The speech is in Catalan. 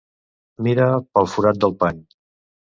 Mira pel forat del pany.